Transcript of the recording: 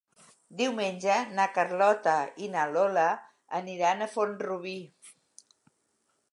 Diumenge na Carlota i na Lola aniran a Font-rubí.